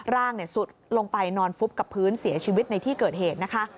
สุดลงไปนอนฟุบกับพื้นเสียชีวิตในที่เกิดเหตุนะคะ